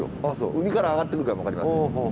海から上がってくるかも分かりません。